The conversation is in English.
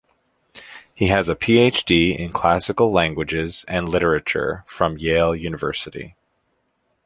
He has a Ph.D. in classical languages and literature from Yale University.